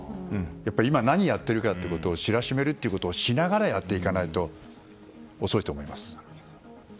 今、何やっているかということを知らしめることをしながらやらないと遅いと思います。